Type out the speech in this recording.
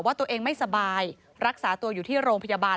ตัวเองไม่สบายรักษาตัวอยู่ที่โรงพยาบาล